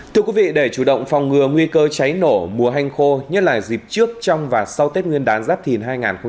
thưa quý vị để chủ động phòng ngừa nguy cơ cháy nổ mùa hanh khô nhất là dịp trước trong và sau tết nguyên đán giáp thìn hai nghìn hai mươi bốn